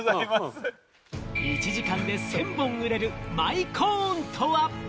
１時間で１０００本売れる舞コーンとは？